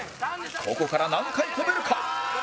ここから何回跳べるか？